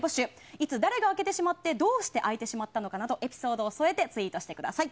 いつだれが空けてしまってどうして空いてしまったかなどエピソードを添えてツイートしてください。